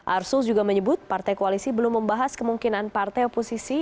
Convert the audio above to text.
arsul juga menyebut partai koalisi belum membahas kemungkinan partai oposisi